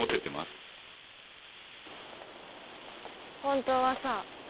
本当はさ